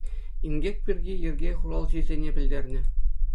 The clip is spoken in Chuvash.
Инкек пирки йӗрке хуралҫисене пӗлтернӗ.